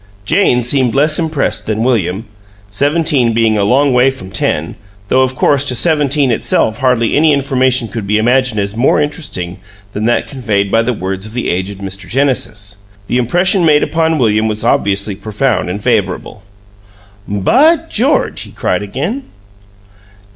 Jane seemed much less impressed than William, seventeen being a long way from ten, though, of course, to seventeen itself hardly any information could be imagined as more interesting than that conveyed by the words of the aged Mr. Genesis. The impression made upon William was obviously profound and favorable. "By George!" he cried again.